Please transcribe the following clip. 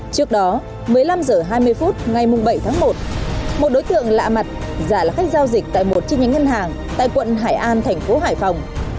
trước đó một mươi năm h hai mươi phút ngày bảy tháng một một đối tượng lạ mặt giả là khách giao dịch tại một chi nhánh ngân hàng tại quận hải an thành phố hải phòng